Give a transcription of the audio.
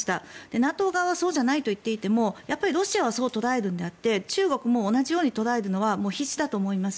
ＮＡＴＯ側はそうじゃないと言っていてもやっぱりロシアはそう捉えるのであって中国が同じように捉えるのは必至だと思います。